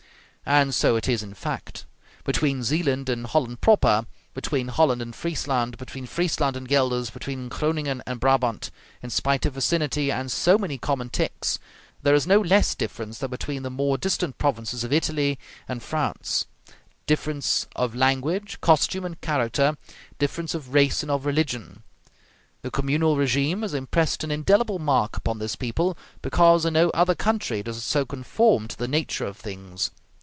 And so it is in fact. Between Zealand and Holland proper, between Holland and Friesland, between Friesland and Gueldres, between Groningen and Brabant, in spite of vicinity and so many common tics, there is no less difference than between the more distant provinces of Italy and France; difference of language, costume, and character; difference of race and of religion. The communal regime has impressed an indelible mark upon this people, because in no other country does it so conform to the nature of things.